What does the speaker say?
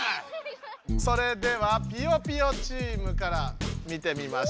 それではぴよぴよチームから見てみましょう。